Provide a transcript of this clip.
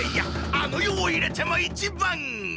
あの世を入れても一番！